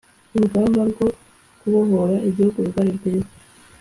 Urugamba rwo kubohora Igihugu rwari rwiza